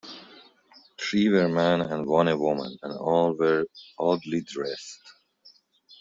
Three were men and one a woman, and all were oddly dressed.